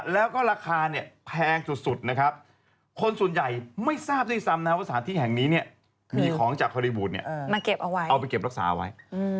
แล้วก็ราคาแพงสุดคนส่วนใหญ่ไม่ทราบที่ซ้ำว่าสถานที่แห่งนี้มีของจากฮอลลี่วูดเอาไปเก็บรักษาเอาไว้